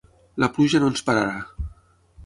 La pluja no ens pararà.